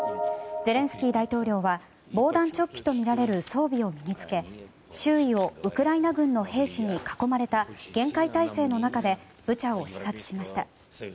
ゼレンスキー大統領は防弾チョッキとみられる装備を身に着け周囲をウクライナ軍の兵士に囲まれた厳戒態勢の中でブチャを視察しました。